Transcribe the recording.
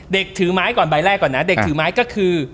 ถือไม้ก่อนใบแรกก่อนนะเด็กถือไม้ก็คือ